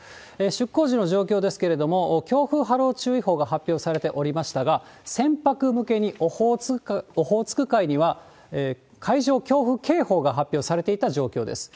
出航時の状況ですけれども、強風・波浪注意報が発表されておりましたが、船舶向けにオホーツク海には、海上強風警報が発表されていた状況です。